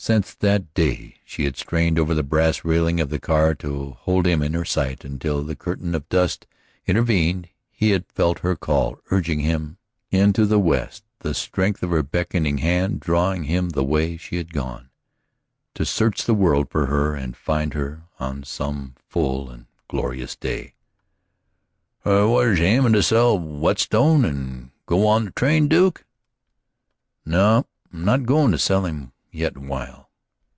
Since that day she had strained over the brass railing of the car to hold him in her sight until the curtain of dust intervened, he had felt her call urging him into the West, the strength of her beckoning hand drawing him the way she had gone, to search the world for her and find her on some full and glorious day. "Was you aimin' to sell Whetstone and go on the train, Duke?" "No, I'm not goin' to sell him yet a while."